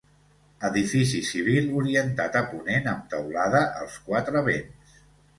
Edifici civil orientat a ponent amb teulada als quatre vents.